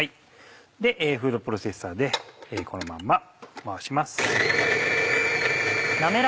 フードプロセッサーでこのまんま回します。